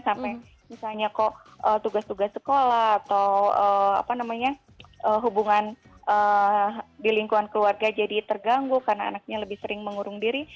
sampai misalnya kok tugas tugas sekolah atau hubungan di lingkungan keluarga jadi terganggu karena anaknya lebih sering mengurung diri